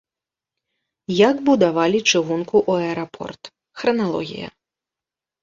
Як будавалі чыгунку ў аэрапорт, храналогія.